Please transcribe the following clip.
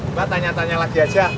mbak tanya tanya lagi aja